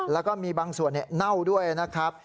แล้วก็มีบางส่วนเน่าด้วยนะครับ